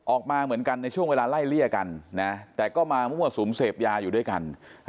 ออกมาเหมือนกันในช่วงเวลาไล่เลี่ยกันนะแต่ก็มามั่วสุมเสพยาอยู่ด้วยกัน